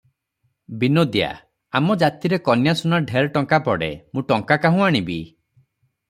ବିନୋଦିଆ -ଆମ ଜାତିରେ କନ୍ୟାସୁନା ଢେର ଟଙ୍କା ପଡ଼େ, ମୁଁ ଟଙ୍କା କାହୁଁ ଆଣିବି?